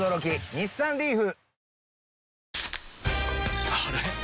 日産リーフ！